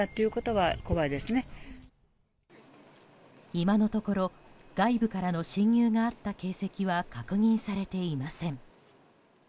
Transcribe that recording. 今のところ外部からの侵入があった形跡は確認されていません。